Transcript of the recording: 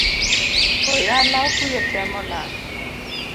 Oyala ofuyo te molal